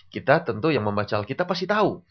kita tentu yang membaca kita pasti tahu